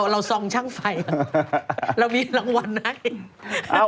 ซองช่างไฟเรามีรางวัลนะ